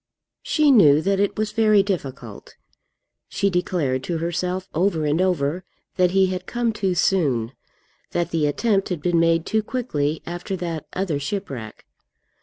She knew that it was very difficult. She declared to herself over and over that he had come too soon, that the attempt had been made too quickly after that other shipwreck.